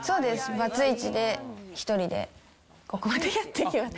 バツ１で１人でここまでやってきました。